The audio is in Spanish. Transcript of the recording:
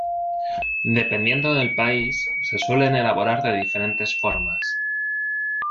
Dependiendo del país se suelen elaborar de diferentes formas.